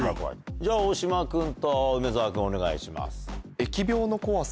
じゃあ大島君と梅澤君お願いします。